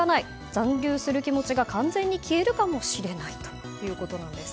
残留する気持ちが完全に消えるかもしれないということです。